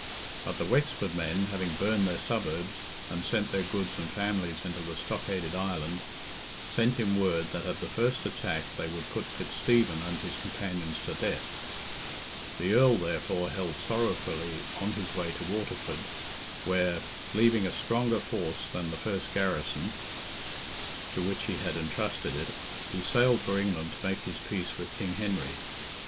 But the Wexford men having burned their suburbs, and sent their goods and families into the stockaded island, sent him word that at the first attack they would put Fitzstephen and his companions to death. The Earl, therefore, held sorrowfully on his way to Waterford, where, leaving a stronger force than the first garrison, to which he had entrusted it, he sailed for England to make his peace with King Henry.